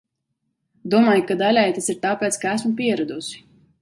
Domāju, ka daļēji tas ir tāpēc, ka esmu pieradusi.